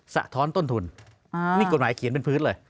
สะท้อนต้นทุนนี่กฎหมายเขียนเป็นพื้นเลย